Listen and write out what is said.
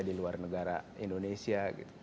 di luar negara indonesia